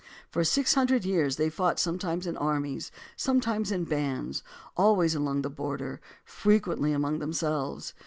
For six hundred years they fought, sometimes in armies, sometimes in bands, always along the border, frequently among themselves.